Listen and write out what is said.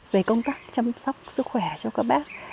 về công tác chăm sóc sức khỏe cho các bác